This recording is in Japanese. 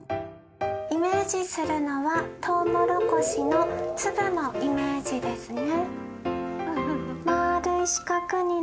イメージするのはトウモロコシの粒のイメージですね。